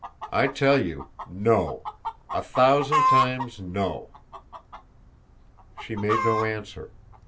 I tell you, no a thousand times no!" She made no answer.